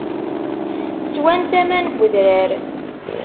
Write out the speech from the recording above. Swant aman n wedrar.